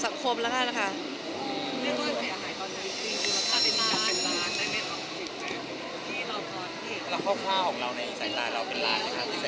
แล้วก็ข้าวของเราในอีตใต้หลายเราเป็นหลานไหมคะ